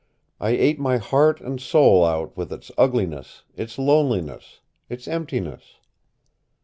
It ate my heart and soul out with its ugliness, its loneliness, its emptiness.